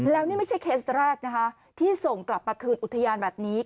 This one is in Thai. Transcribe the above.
แล้วนี่ไม่ใช่เคสแรกนะคะที่ส่งกลับมาคืนอุทยานแบบนี้